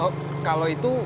oh kalau itu